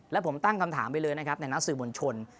แล้วผมตั้งคำถามไปเลยนะครับในนักสื่อมวลชน